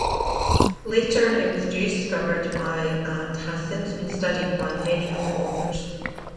Later it was rediscovered by and has since been studied by many other authors.